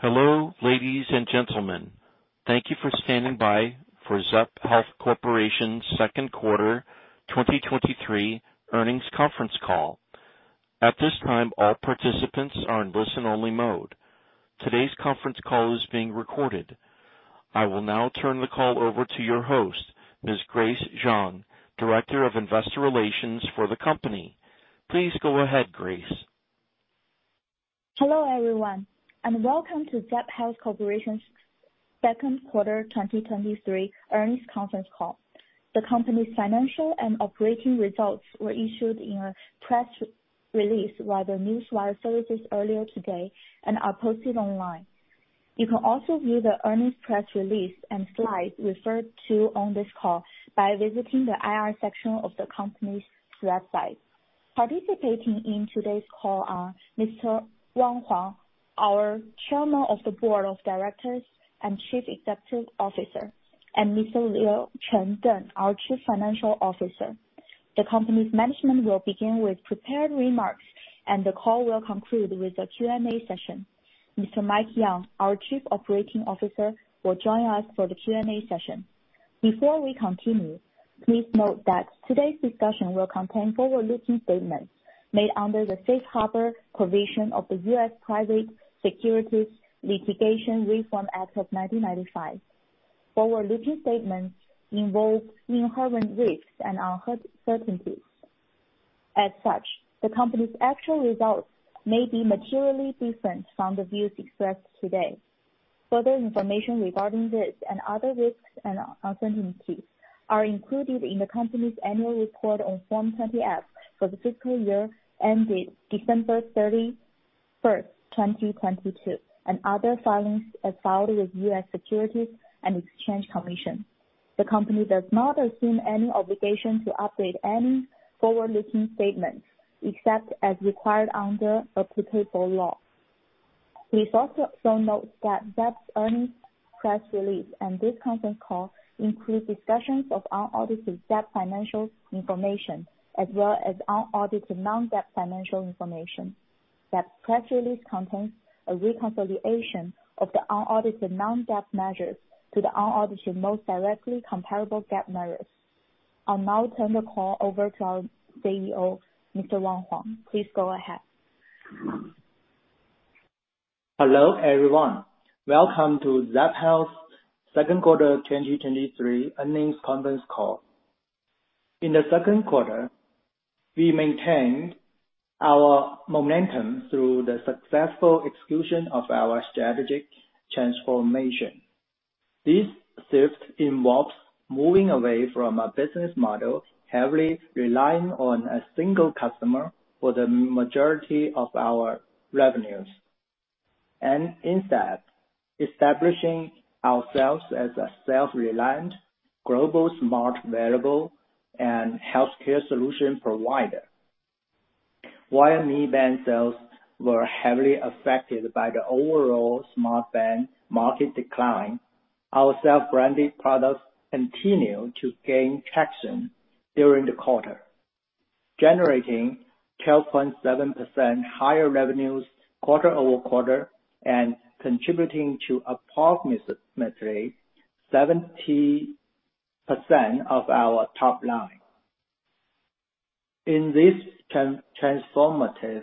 Hello, ladies and gentlemen. Thank you for standing by for Zepp Health Corporation's Q2 2023 earnings conference call. At this time, all participants are in listen-only mode. Today's conference call is being recorded. I will now turn the call over to your host, Ms. Grace Zhang, Director of Investor Relations for the company. Please go ahead, Grace. Hello, everyone, and welcome to Zepp Health Corporation's Q2 2023 earnings conference call. The company's financial and operating results were issued in a press release by the Newswire services earlier today and are posted online. You can also view the earnings press release and slides referred to on this call by visiting the IR section of the company's website. Participating in today's call are Mr. Wang Huang, our Chairman of the Board of Directors and Chief Executive Officer, and Mr. Leon Cheng Deng, our Chief Financial Officer. The company's management will begin with prepared remarks, and the call will conclude with a Q&A session. Mr. Mike Yeung, our Chief Operating Officer, will join us for the Q&A session. Before we continue, please note that today's discussion will contain forward-looking statements made under the Safe Harbor provision of the U.S. Private Securities Litigation Reform Act of 1995. Forward-looking statements involve inherent risks and uncertainties. As such, the company's actual results may be materially different from the views expressed today. Further information regarding this and other risks and uncertainties are included in the company's annual report on Form 20-F for the fiscal year ended December 31st, 2022, and other filings as filed with U.S. Securities and Exchange Commission. The company does not assume any obligation to update any forward-looking statements except as required under applicable law. Please also note that Zepp's earnings press release and this conference call include discussions of unaudited Zepp financial information, as well as unaudited non-GAAP financial information. That press release contains a reconciliation of the unaudited non-GAAP measures to the unaudited, most directly comparable GAAP measures. I'll now turn the call over to our CEO, Mr. Wang Huang. Please go ahead. Hello, everyone. Welcome to Zepp Health's Q2 2023 earnings conference call. In the Q2, we maintained our momentum through the successful execution of our strategic transformation. This shift involves moving away from a business model, heavily relying on a single customer for the majority of our revenues, and instead establishing ourselves as a self-reliant, global, smart, wearable and healthcare solution provider. While Mi Band sales were heavily affected by the overall smart band market decline, our self-branded products continued to gain traction during the quarter, generating 12.7% higher revenues quarter-over-quarter and contributing to approximately 70% of our top line. In this transformative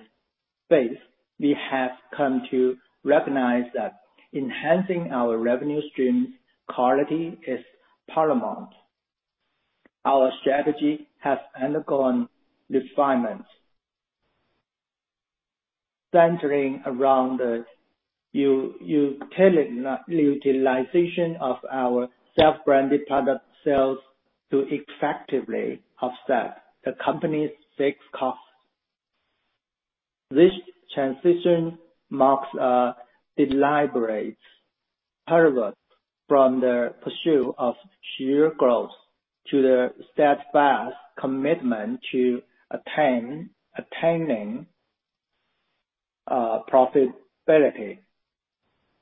phase, we have come to recognize that enhancing our revenue stream quality is paramount. Our strategy has undergone refinement. Centering around the utilization of our self-branded product sales to effectively offset the company's sales costs. This transition marks a deliberate pivot from the pursuit of sheer growth to the steadfast commitment to attaining profitability.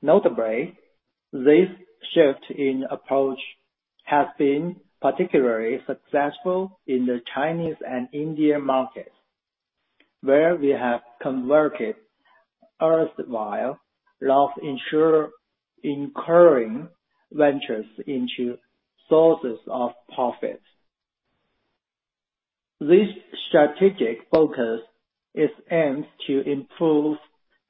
Notably, this shift in approach has been particularly successful in the Chinese and Indian markets, where we have converted erstwhile loss incurring ventures into sources of profit. This strategic focus is aimed to improve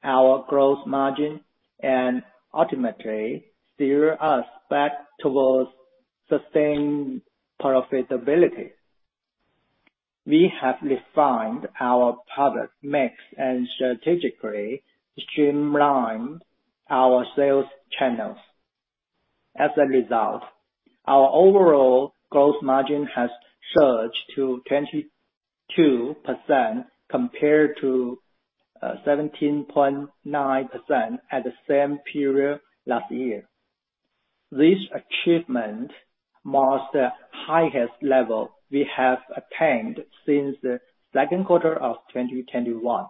our gross margin and ultimately steer us back towards sustained profitability. We have refined our product mix and strategically streamlined our sales channels. As a result, our overall gross margin has surged to 22% compared to 17.9% at the same period last year. This achievement marks the highest level we have attained since the Q2 of 2021,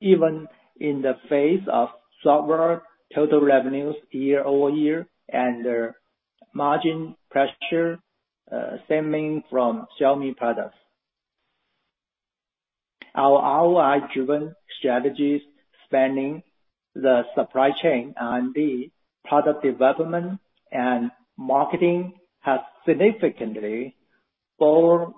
even in the face of slower total revenues year-over-year and the margin pressure stemming from Xiaomi products. Our ROI-driven strategies, spanning the supply chain, R&D, product development, and marketing, has significantly poor,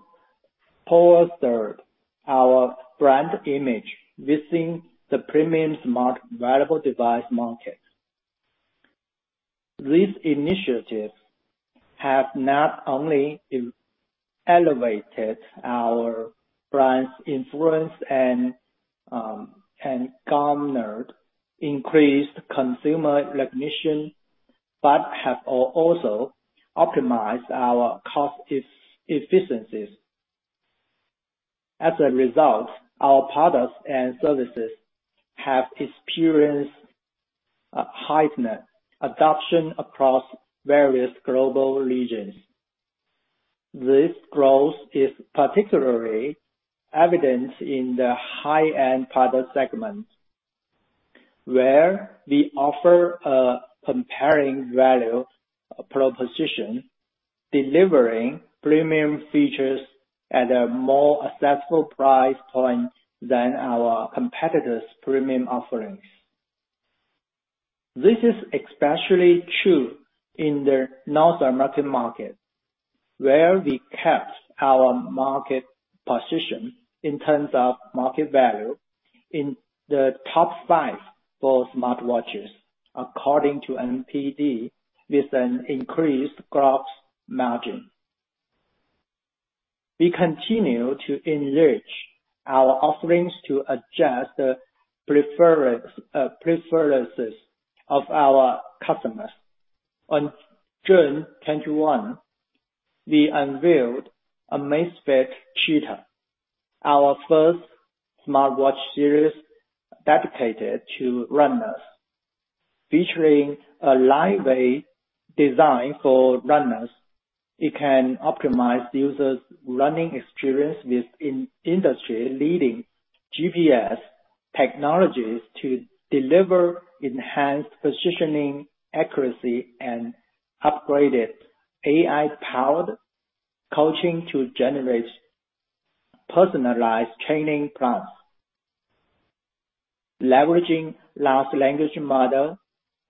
bolstered our brand image within the premium smart wearable device market. These initiatives have not only elevated our brand's influence and, and garnered increased consumer recognition, but have also optimized our cost efficiencies. As a result, our products and services have experienced a heightened adoption across various global regions. This growth is particularly evident in the high-end product segment, where we offer a compelling value proposition, delivering premium features at a more accessible price point than our competitors' premium offerings. This is especially true in the North American market, where we kept our market position in terms of market value in the top 5 for smartwatches, according to Circana, with an increased gross margin. We continue to enrich our offerings to adjust the preference, preferences of our customers. On June 21, we unveiled Amazfit Cheetah, our first smartwatch series dedicated to runners. Featuring a lightweight design for runners, it can optimize users' running experience with in-industry-leading GPS technologies to deliver enhanced positioning accuracy and upgraded AI-powered coaching to generate personalized training plans. Leveraging large language models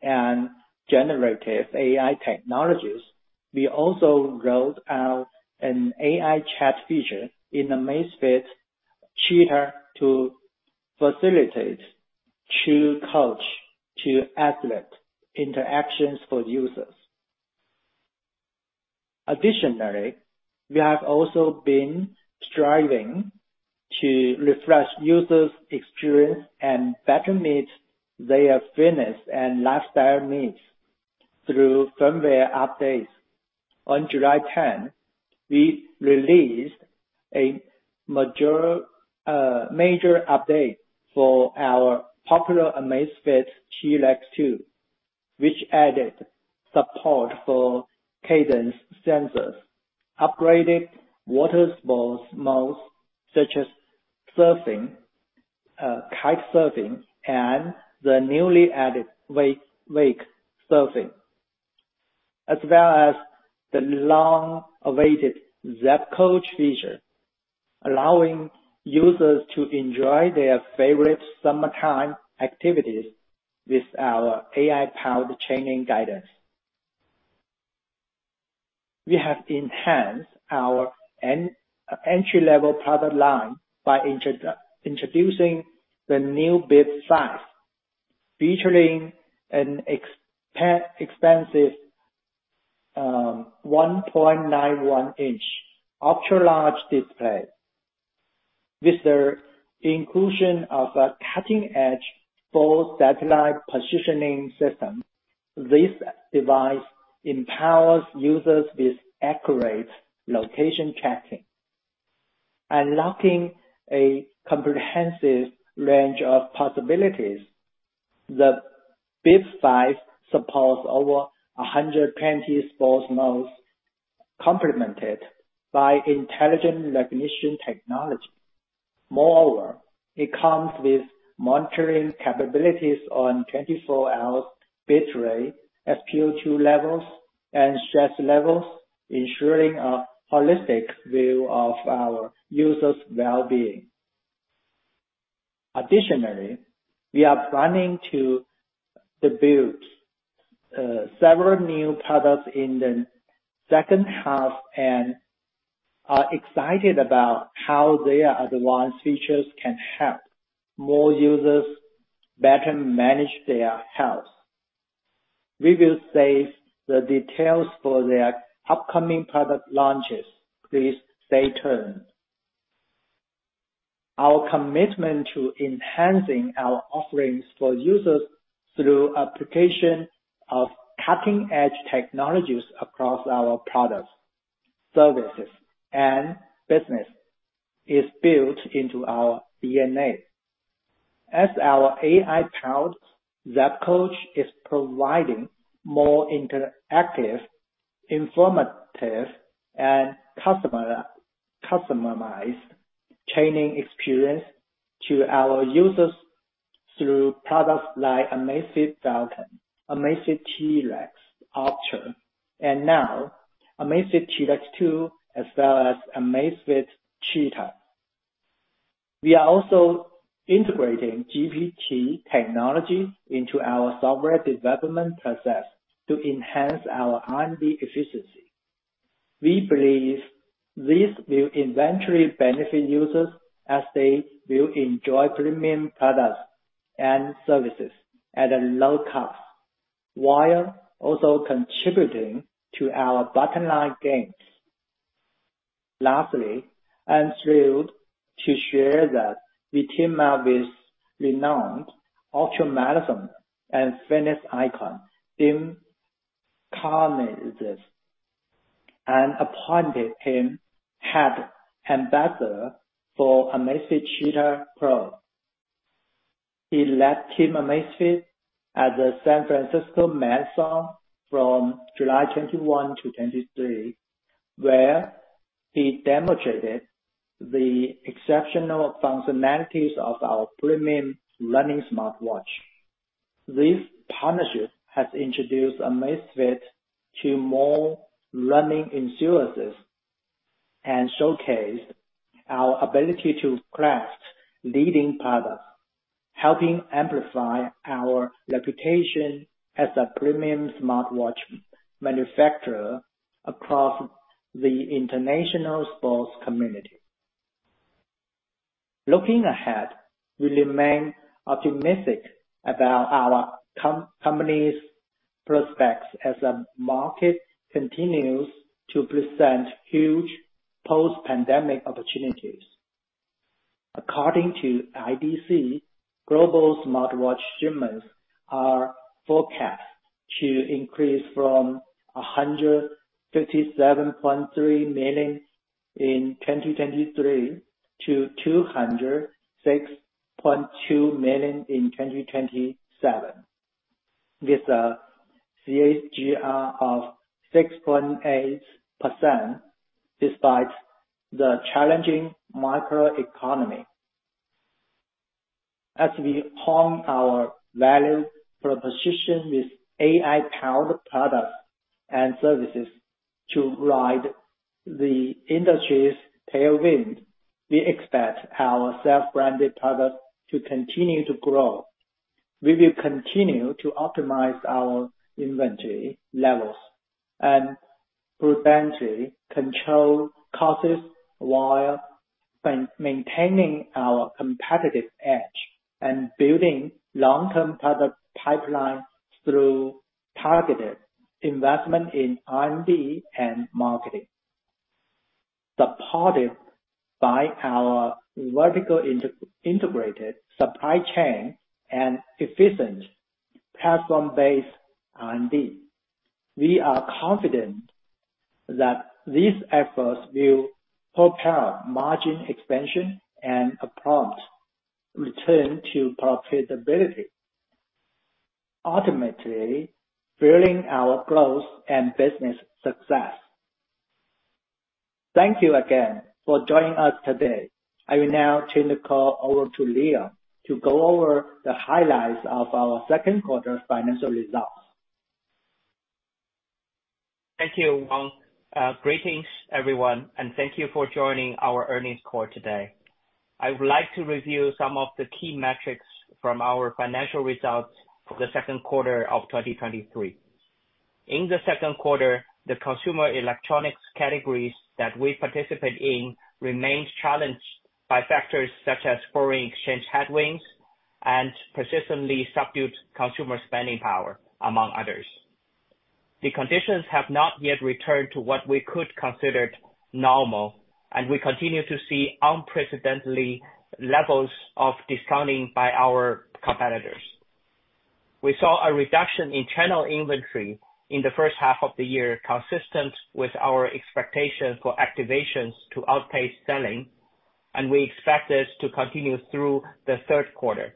and generative AI technologies, we also rolled out an AI chat feature in Amazfit Cheetah to facilitate true coach-to-athlete interactions for users. Additionally, we have also been striving to refresh users' experience and better meet their fitness and lifestyle needs through firmware updates. On July 10, we released a major update for our popular Amazfit T-Rex 2, which added support for cadence sensors, upgraded water sports modes, such as surfing, kite surfing, and the newly added wake surfing, as well as the long-awaited Zepp Coach feature, allowing users to enjoy their favorite summertime activities with our AI-powered training guidance. We have enhanced our entry-level product line by introducing the new Bip 5, featuring an expansive 1.91-inch ultra-large display. With the inclusion of a cutting-edge full satellite positioning system, this device empowers users with accurate location tracking. Unlocking a comprehensive range of possibilities, the Bip 5 supports over 120 sports modes, complemented by intelligent recognition technology. Moreover, it comes with monitoring capabilities on 24 hours battery, SpO2 levels, and stress levels, ensuring a holistic view of our users' well-being. Additionally, we are planning to debut several new products in the second half and are excited about how their advanced features can help more users better manage their health. We will save the details for the upcoming product launches. Please stay tuned. Our commitment to enhancing our offerings for users through application of cutting-edge technologies across our products, services, and business is built into our DNA. As our AI-powered Zepp Coach is providing more interactive, informative, and customized training experience to our users through products like Amazfit Falcon, Amazfit T-Rex Ultra, and now Amazfit T-Rex 2, as well as Amazfit Cheetah. We are also integrating GPT technology into our software development process to enhance our R&D efficiency. We believe this will eventually benefit users, as they will enjoy premium products and services at a low cost, while also contributing to our bottom line gains. Lastly, I'm thrilled to share that we team up with renowned ultramarathon and fitness icon, Dean Karnazes, and appointed him head ambassador for Amazfit Cheetah Pro. He led Team Amazfit at the San Francisco Marathon from July 21 to 23, where he demonstrated the exceptional functionalities of our premium running smartwatch. This partnership has introduced Amazfit to more running enthusiasts and showcased our ability to craft leading products, helping amplify our reputation as a premium smartwatch manufacturer across the international sports community. Looking ahead, we remain optimistic about our company's prospects as the market continues to present huge post-pandemic opportunities. According to IDC, global smartwatch shipments are forecast to increase from 157.3 million in 2023, to 206.2 million in 2027, with a CAGR of 6.8%, despite the challenging microeconomy. As we hone our value proposition with AI-powered products and services to ride the industry's tailwind, we expect our self-branded products to continue to grow. We will continue to optimize our inventory levels and prudently control costs, while maintaining our competitive edge and building long-term product pipelines through targeted investment in R&D and marketing. Supported by our vertical integrated supply chain and efficient platform-based R&D, we are confident that these efforts will propel margin expansion and a prompt return to profitability, ultimately fueling our growth and business success. Thank you again for joining us today. I will now turn the call over to Leo to go over the highlights of our Q2 financial results. Thank you, Wang. Greetings, everyone, and thank you for joining our earnings call today. I would like to review some of the key metrics from our financial results for the Q2 of 2023. In the Q2 the consumer electronics categories that we participate in remained challenged by factors such as foreign exchange headwinds and persistently subdued consumer spending power, among others. The conditions have not yet returned to what we could consider normal, and we continue to see unprecedentedly levels of discounting by our competitors. We saw a reduction in channel inventory in the first half of the year, consistent with our expectation for activations to outpace selling, and we expect this to continue through the Q3,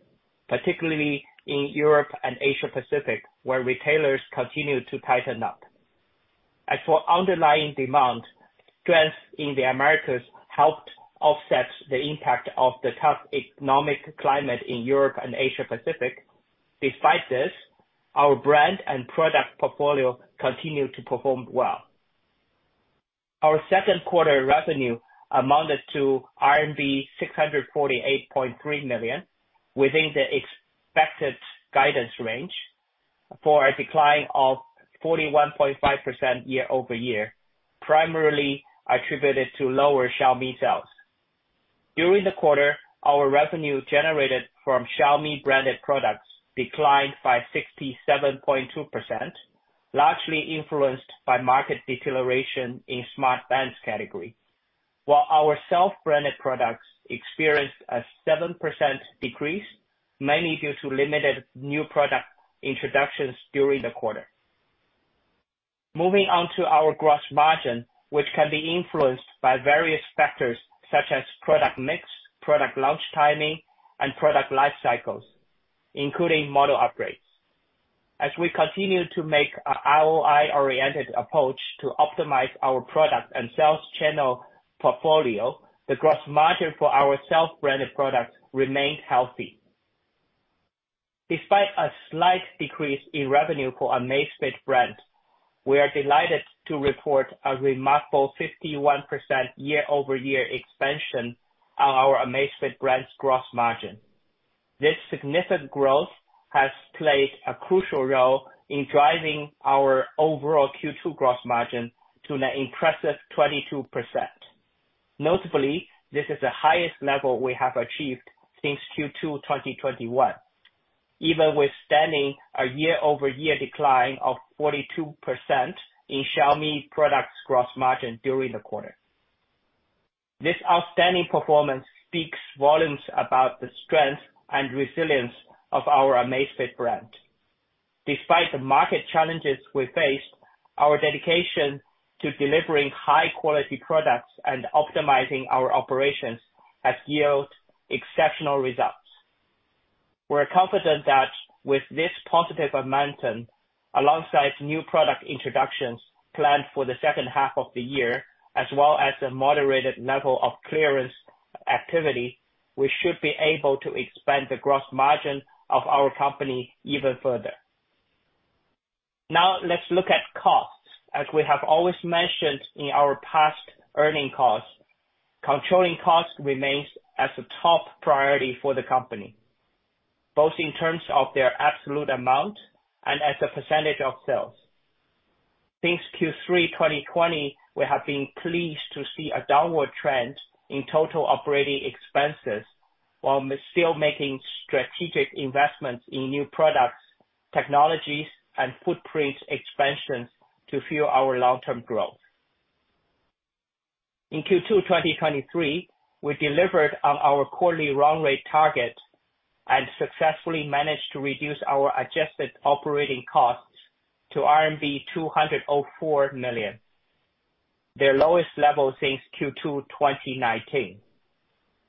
particularly in Europe and Asia Pacific, where retailers continue to tighten up. As for underlying demand, strength in the Americas helped offset the impact of the tough economic climate in Europe and Asia Pacific. Despite this, our brand and product portfolio continued to perform well. Our Q2 revenue amounted to RMB 648.3 million, within the expected guidance range, for a decline of 41.5% year-over-year, primarily attributed to lower Xiaomi sales. During the quarter, our revenue generated from Xiaomi-branded products declined by 67.2%, largely influenced by market deceleration in smart band category, while our self-branded products experienced a 7% decrease, mainly due to limited new product introductions during the quarter. Moving on to our gross margin, which can be influenced by various factors such as product mix, product launch timing, and product life cycles, including model upgrades. As we continue to make a ROI-oriented approach to optimize our product and sales channel portfolio, the gross margin for our self-branded products remained healthy. Despite a slight decrease in revenue for Amazfit brand, we are delighted to report a remarkable 51% year-over-year expansion on our Amazfit brand's gross margin. This significant growth has played a crucial role in driving our overall Q2 gross margin to an impressive 22%. Notably, this is the highest level we have achieved since Q2, 2021, even withstanding a year-over-year decline of 42% in Xiaomi products gross margin during the quarter. This outstanding performance speaks volumes about the strength and resilience of our Amazfit brand. Despite the market challenges we face, our dedication to delivering high quality products and optimizing our operations has yielded exceptional results. We're confident that with this positive momentum, alongside new product introductions planned for the second half of the year, as well as a moderated level of clearance activity, we should be able to expand the gross margin of our company even further. Now, let's look at costs. As we have always mentioned in our past earnings calls, controlling costs remains as a top priority for the company, both in terms of their absolute amount and as a percentage of sales. Since Q3 2020, we have been pleased to see a downward trend in total operating expenses, while still making strategic investments in new products, technologies, and footprint expansions to fuel our long-term growth. In Q2 2023, we delivered on our quarterly run rate target and successfully managed to reduce our adjusted operating costs to RMB 204 million, their lowest level since Q2 2019.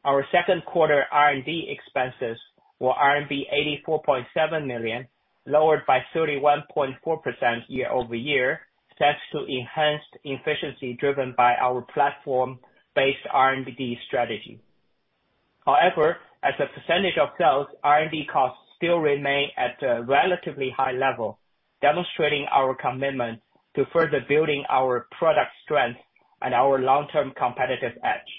Our Q2 R&D expenses were RMB 84.7 million, lowered by 31.4% year-over-year, thanks to enhanced efficiency driven by our platform-based R&D strategy. However, as a percentage of sales, R&D costs still remain at a relatively high level, demonstrating our commitment to further building our product strength and our long-term competitive edge.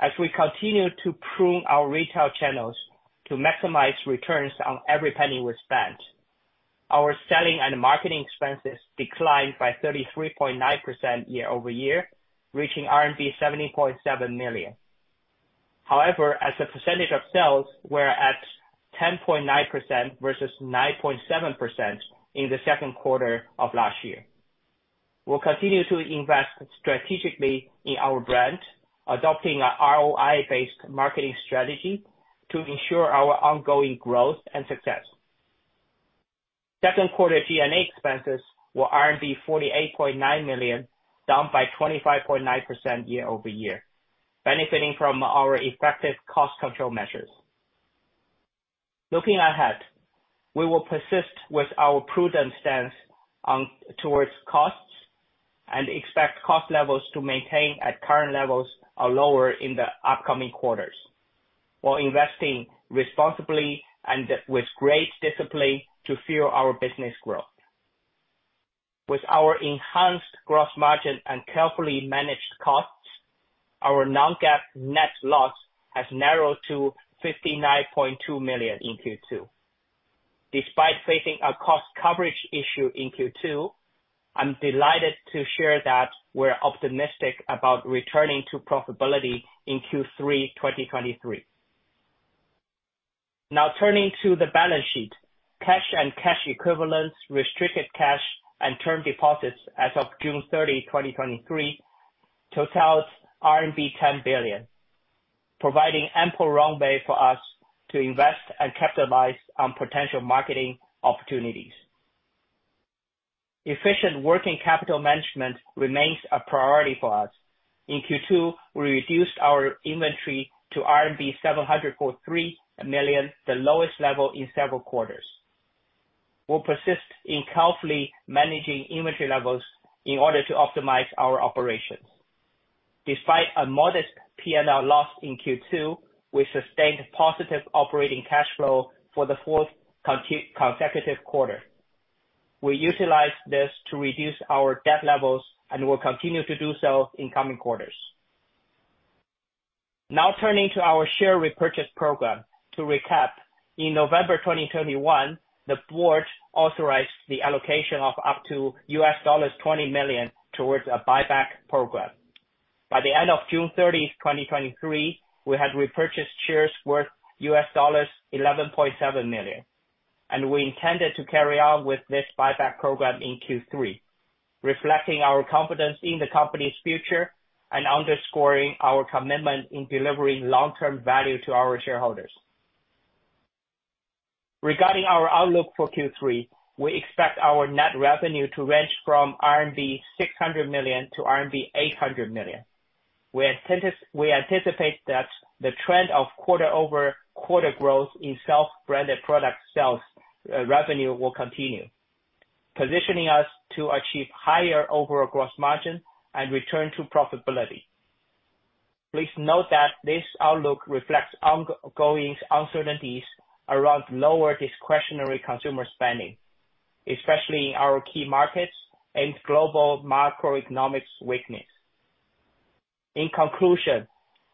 As we continue to prune our retail channels to maximize returns on every penny we spend, our selling and marketing expenses declined by 33.9% year-over-year, reaching RMB 70.7 million. However, as a percentage of sales were at 10.9% versus 9.7% in the Q2 of last year. We'll continue to invest strategically in our brand, adopting a ROI-based marketing strategy to ensure our ongoing growth and success. Q2 G&A expenses were 48.9 million, down by 25.9% year-over-year, benefiting from our effective cost control measures. Looking ahead, we will persist with our prudent stance towards costs and expect cost levels to maintain at current levels or lower in the upcoming quarters, while investing responsibly and with great discipline to fuel our business growth. With our enhanced gross margin and carefully managed costs, our non-GAAP net loss has narrowed to 59.2 million in Q2. Despite facing a cost coverage issue in Q2, I'm delighted to share that we're optimistic about returning to profitability in Q3 2023. Now, turning to the balance sheet. Cash and cash equivalents, restricted cash and term deposits as of June 30, 2023, totals RMB 10 billion, providing ample runway for us to invest and capitalize on potential marketing opportunities. Efficient working capital management remains a priority for us. In Q2, we reduced our inventory to RMB 700.3 million, the lowest level in several quarters. We'll persist in carefully managing inventory levels in order to optimize our operations. Despite a modest P&L loss in Q2, we sustained positive operating cash flow for the fourth consecutive quarter. We utilized this to reduce our debt levels and will continue to do so in coming quarters. Now, turning to our share repurchase program. To recap, in November 2021, the board authorized the allocation of up to $20 million towards a buyback program. By the end of June 30th, 2023, we had repurchased shares worth $11.7 million, and we intended to carry on with this buyback program in Q3, reflecting our confidence in the company's future and underscoring our commitment in delivering long-term value to our shareholders. Regarding our outlook for Q3, we expect our net revenue to range from RMB 600 million to RMB 800 million.... We anticipate that the trend of quarter-over-quarter growth in self-branded product sales revenue will continue, positioning us to achieve higher overall gross margin and return to profitability. Please note that this outlook reflects ongoing uncertainties around lower discretionary consumer spending, especially in our key markets and global macroeconomic weakness. In conclusion,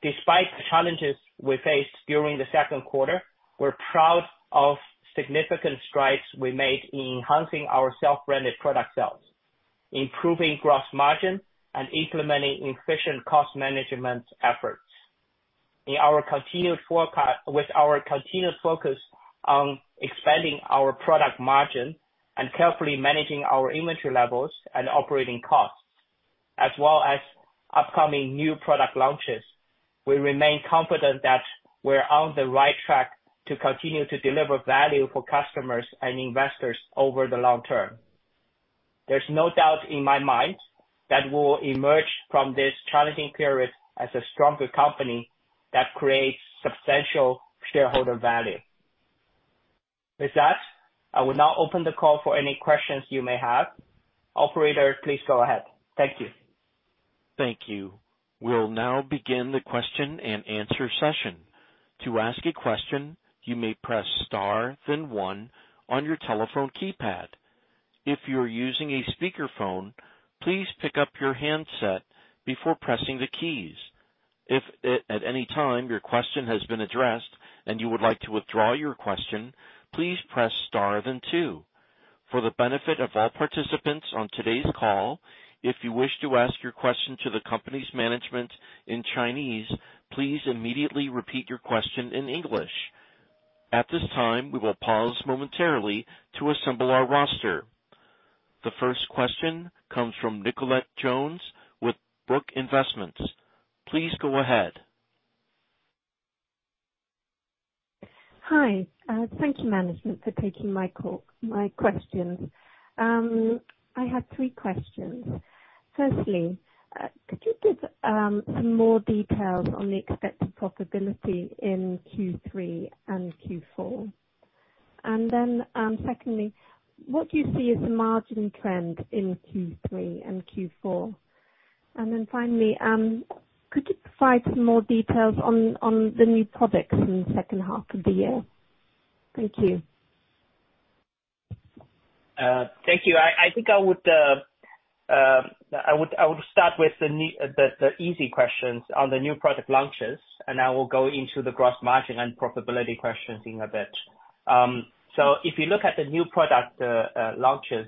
despite the challenges we faced during the Q2, we're proud of significant strides we made in enhancing our self-branded product sales, improving gross margin, and implementing efficient cost management efforts. With our continued focus on expanding our product margin and carefully managing our inventory levels and operating costs, as well as upcoming new product launches, we remain confident that we're on the right track to continue to deliver value for customers and investors over the long term. There's no doubt in my mind that we'll emerge from this challenging period as a stronger company that creates substantial shareholder value. With that, I will now open the call for any questions you may have. Operator, please go ahead. Thank you. Thank you. We'll now begin the question and answer session. To ask a question, you may press star, then one on your telephone keypad. If you're using a speakerphone, please pick up your handset before pressing the keys. If, at any time your question has been addressed and you would like to withdraw your question, please press star then two. For the benefit of all participants on today's call, if you wish to ask your question to the company's management in Chinese, please immediately repeat your question in English. At this time, we will pause momentarily to assemble our roster. The first question comes from Nicolette Jones with Brooke Investments. Please go ahead. Hi, thank you management for taking my call, my questions. I have 3 questions. Firstly, could you give some more details on the expected profitability in Q3 and Q4? Secondly, what do you see as the margin trend in Q3 and Q4? Finally, could you provide some more details on the new products in the second half of the year? Thank you. Thank you. I, I think I would start with the easy questions on the new product launches. I will go into the gross margin and profitability questions in a bit. If you look at the new product launches,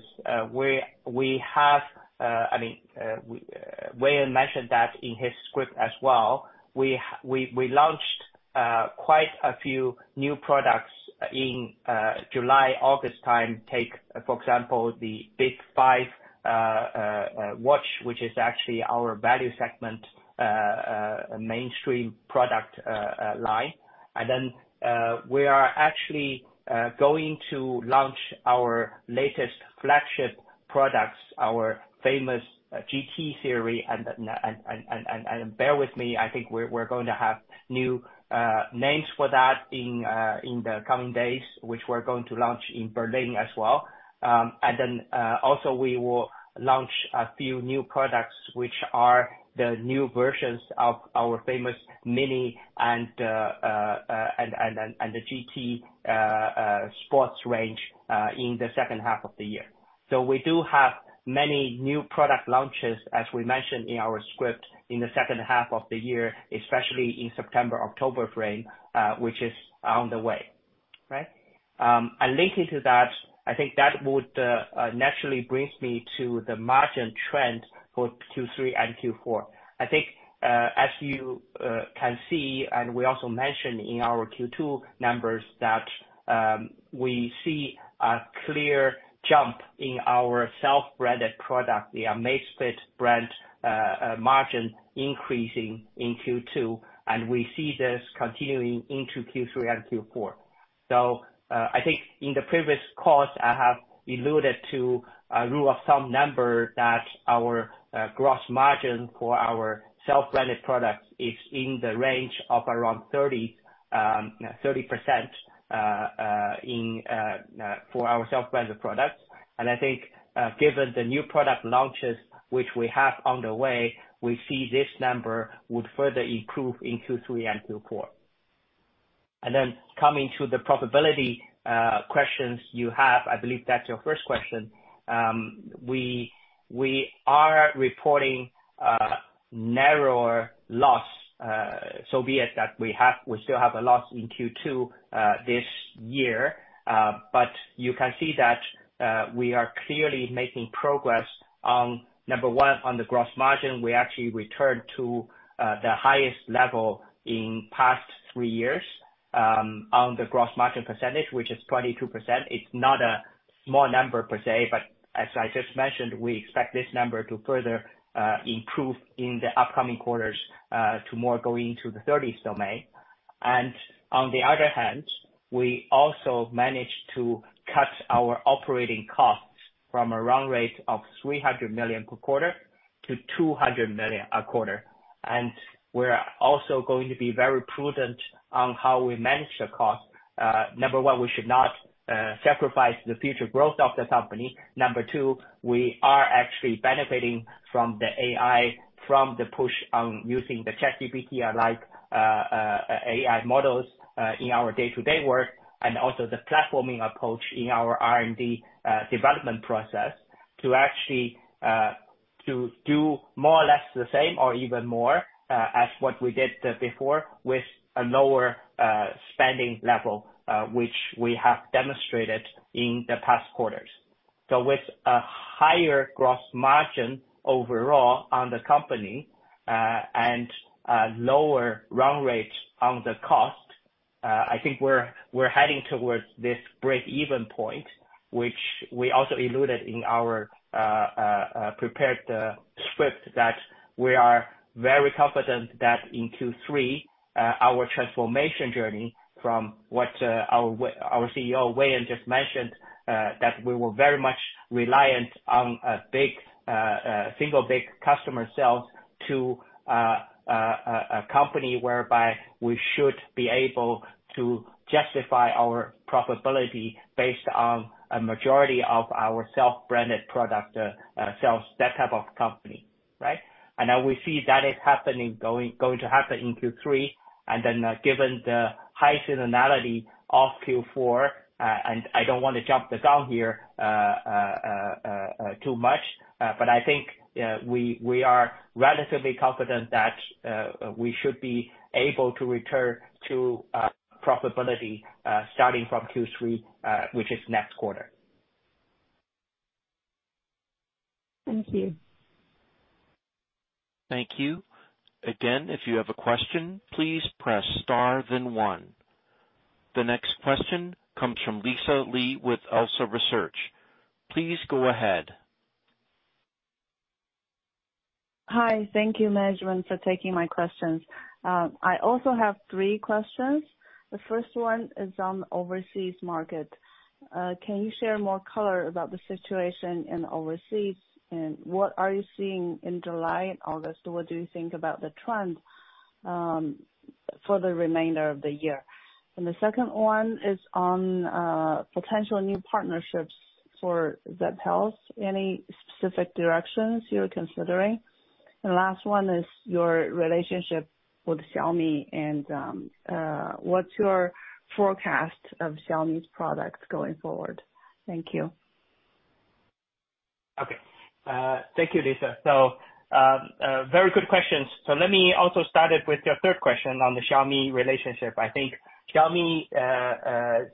we have Wang mentioned that in his script as well. We launched quite a few new products in July, August time. Take, for example, the Amazfit Bip 5 watch, which is actually our value segment mainstream product line. We are actually going to launch our latest flagship products, our famous GT series. Bear with me, I think we're going to have new names for that in the coming days, which we're going to launch in Berlin as well. Then also we will launch a few new products, which are the new versions of our famous Mini and GT sports range in the second half of the year. We do have many new product launches, as we mentioned in our script, in the second half of the year, especially in September, October frame, which is on the way. Right? Linked into that, I think that would naturally brings me to the margin trend for Q3 and Q4. I think, as you can see, we also mentioned in our Q2 numbers that we see a clear jump in our self-branded product, the Amazfit brand, margin increasing in Q2. We see this continuing into Q3 and Q4. I think in the previous calls, I have alluded to a rule of thumb number, that our gross margin for our self-branded products is in the range of around 30% for our self-branded products. I think, given the new product launches, which we have on the way, we see this number would further improve in Q3 and Q4. Coming to the profitability questions you have, I believe that's your first question. We, we are reporting narrower loss, so be it, that we still have a loss in Q2 this year. You can see that we are clearly making progress on, number one, on the gross margin. We actually returned to the highest level in past 3 years on the gross margin percentage, which is 22%. It's not a small number per se, but as I just mentioned, we expect this number to further improve in the upcoming quarters to more going into the 30s domain. On the other hand, we also managed to cut our operating costs from a run rate of 300 million per quarter to 200 million a quarter. We're also going to be very prudent on how we manage the cost. Number 1, we should not sacrifice the future growth of the company. Number 2, we are actually benefiting from the AI, from the push on using the ChatGPT-like AI models in our day-to-day work, and also the platforming approach in our R&D development process, to actually do more or less the same or even more as what we did before, with a lower spending level, which we have demonstrated in the past quarters. With a higher gross margin overall on the company, and a lower run rate on the cost, I think we're, we're heading towards this break-even point, which we also alluded in our prepared script, that we are very confident that in Q3, our transformation journey from what our CEO, Wang Huang, just mentioned, that we were very much reliant on a big, single big customer sales to a company whereby we should be able to justify our profitability based on a majority of our self-branded product sales, that type of company, right? Now we see that is happening, going to happen in Q3. Given the high seasonality of Q4, and I don't want to jump the gun here, too much, but I think, we, we are relatively confident that, we should be able to return to, profitability, starting from Q3, which is next quarter. Thank you. Thank you. Again, if you have a question, please press Star, then 1. The next question comes from Lisa Lee with Elsa Research. Please go ahead. Hi. Thank you, management, for taking my questions. I also have three questions. The first one is on overseas market. Can you share more color about the situation in overseas, and what are you seeing in July and August? What do you think about the trend for the remainder of the year? The second one is on potential new partnerships for Zepp Health. Any specific directions you're considering? Last one is your relationship with Xiaomi, what's your forecast of Xiaomi's products going forward? Thank you. Okay. Thank you, Lisa. Very good questions. Let me also start it with your third question on the Xiaomi relationship. I think Xiaomi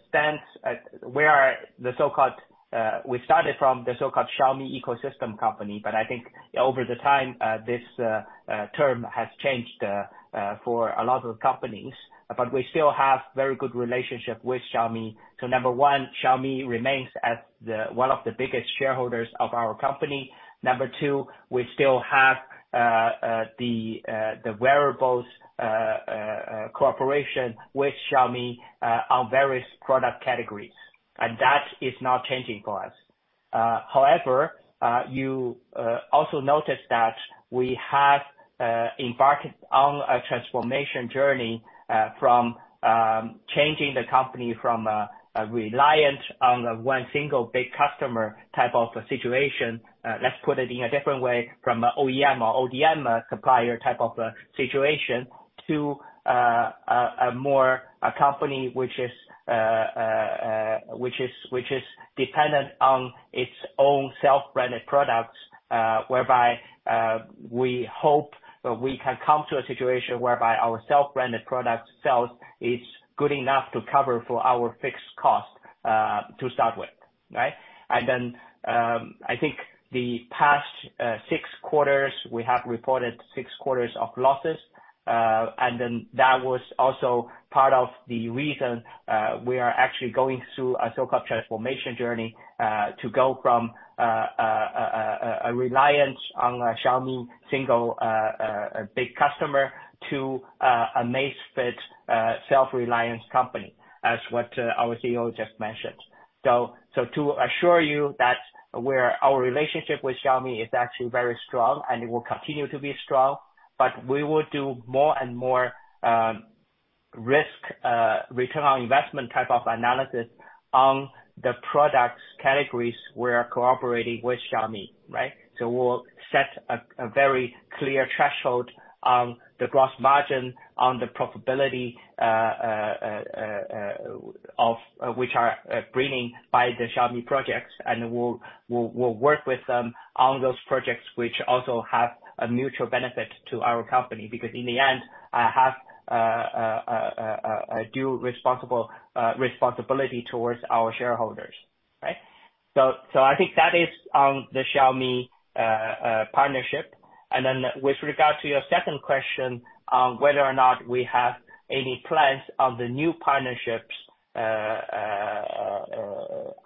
stands at where the so-called we started from the so-called Xiaomi ecosystem company, but I think over the time, this term has changed for a lot of companies, but we still have very good relationship with Xiaomi. Number 1, Xiaomi remains as the, one of the biggest shareholders of our company. Number 2, we still have the wearables cooperation with Xiaomi on various product categories, and that is not changing for us. However, you also noticed that we have embarked on a transformation journey from changing the company from a reliant on the one single big customer type of a situation. Let's put it in a different way, from OEM or ODM supplier type of a situation, to a more, a company which is dependent on its own self-branded products. Whereby, we hope we can come to a situation whereby our self-branded product sales is good enough to cover for our fixed cost to start with, right? I think the past six quarters, we have reported six quarters of losses. Then that was also part of the reason, we are actually going through a so-called transformation journey, to go from a reliance on a Xiaomi single big customer to, a Amazfit self-reliant company, as what our CEO just mentioned. So to assure you that our relationship with Xiaomi is actually very strong, and it will continue to be strong, but we will do more and more, risk, return on investment type of analysis on the products categories we are cooperating with Xiaomi, right? We'll set a very clear threshold on the gross margin, on the profitability of, which are bringing by the Xiaomi projects, and we'll work with them on those projects, which also have a mutual benefit to our company, because in the end, I have a due responsible responsibility towards our shareholders, right? So I think that is on the Xiaomi partnership. Then with regard to your second question on whether or not we have any plans on the new partnerships,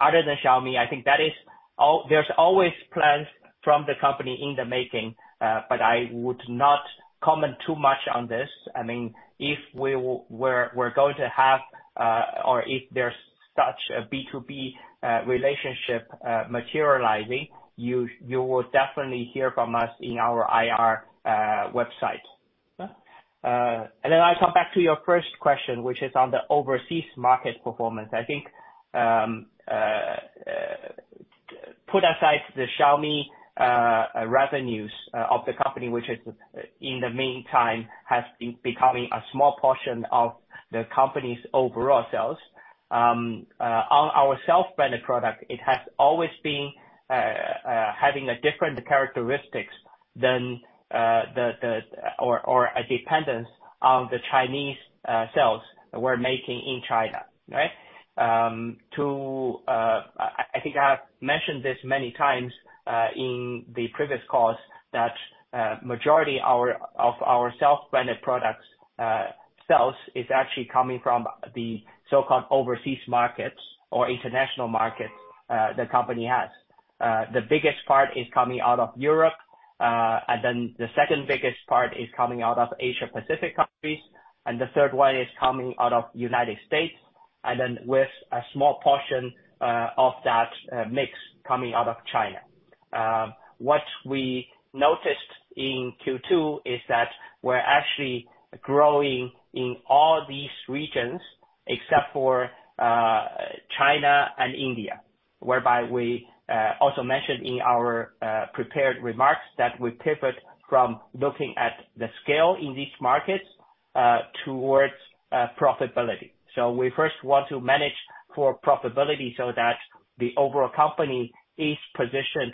Other than Xiaomi, I think that is, there's always plans from the company in the making, but I would not comment too much on this. I mean, if we we're, we're going to have, or if there's such a B2B relationship, materializing, you, you will definitely hear from us in our IR website. Then I come back to your first question, which is on the overseas market performance. I think, put aside the Xiaomi revenues of the company, which is, in the meantime, has been becoming a small portion of the company's overall sales. On our self-branded product, it has always been having a different characteristics than the, the, or, or a dependence on the Chinese sales we're making in China, right? To, I, I think I have mentioned this many times, in the previous calls, that, majority our, of our self-branded products, sales, is actually coming from the so-called overseas markets or international markets, the company has. The biggest part is coming out of Europe, and then the second biggest part is coming out of Asia Pacific countries, and the third one is coming out of United States, and then with a small portion, of that, mix coming out of China. What we noticed in Q2 is that we're actually growing in all these regions except for, China and India, whereby we, also mentioned in our, prepared remarks that we pivot from looking at the scale in these markets, towards, profitability. We first want to manage for profitability so that the overall company is positioned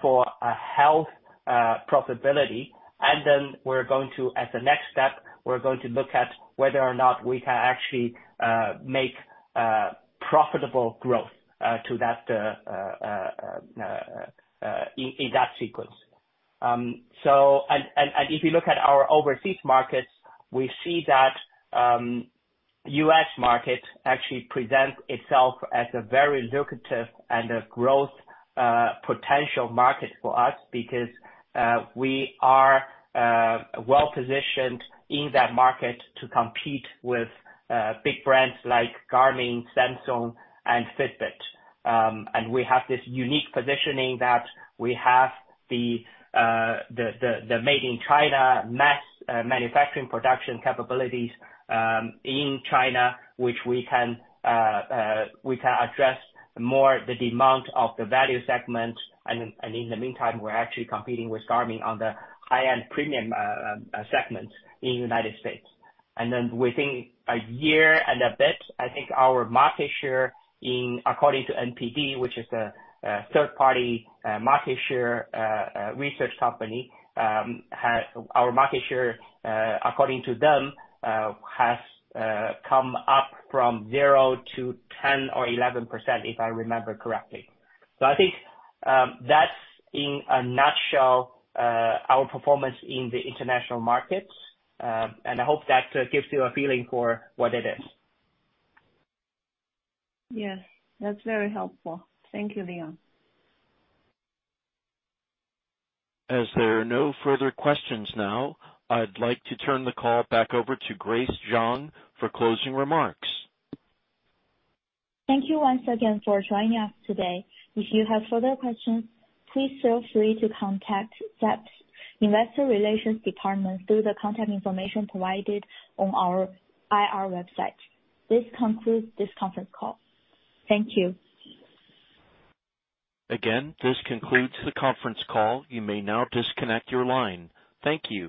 for a health profitability. Then we're going to, as a next step, we're going to look at whether or not we can actually make profitable growth to that in that sequence. If you look at our overseas markets, we see that U.S. market actually presents itself as a very lucrative and a growth potential market for us, because we are well positioned in that market to compete with big brands like Garmin, Samsung, and Fitbit. We have this unique positioning that we have the made in China mass manufacturing production capabilities in China, which we can address more the demand of the value segment. In the meantime, we're actually competing with Garmin on the high-end premium segment in the United States. Then within a year and a bit, I think our market share in, according to Circana, which is a third party market share research company. Our market share, according to them, has come up from 0 to 10 or 11%, if I remember correctly. I think that's in a nutshell our performance in the international markets. I hope that gives you a feeling for what it is. Yes, that's very helpful. Thank you, Leon. As there are no further questions now, I'd like to turn the call back over to Grace Zhang for closing remarks. Thank you once again for joining us today. If you have further questions, please feel free to contact Zepp's Investor Relations department through the contact information provided on our IR website. This concludes this conference call. Thank you. Again, this concludes the conference call. You may now disconnect your line. Thank you.